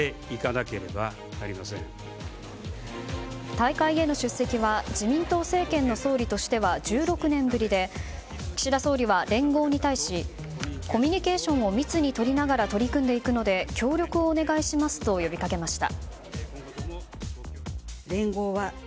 大会への出席は自民党政権の総理としては１６年ぶりで岸田総理は、連合に対しコミュニケーションを密にとりながら取り組んでいくので協力をお願いしますと呼びかけました。